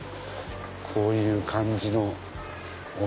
こういう感じのお店は。